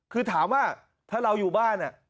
คือถามว่าถ้าเราอยู่บ้าน